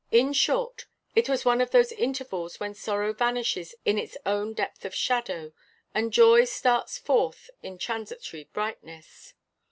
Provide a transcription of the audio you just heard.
In short, it was one of those intervals when sorrow vanishes in its own depth of shadow, and joy starts forth in transitory brightness.